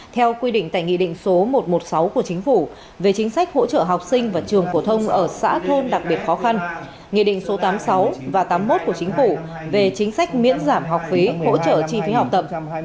theo quy định tại nghị định số một trăm một mươi sáu của chính phủ về chính sách hỗ trợ học sinh và trường phổ thông ở xã thôn đặc biệt khó khăn nghị định số tám mươi sáu và tám mươi một của chính phủ về chính sách miễn giảm học phí hỗ trợ chi phí học tập